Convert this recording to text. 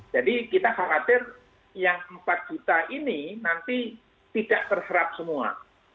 jadi kita khawatir yang empat juta ini nanti tidak terserap semua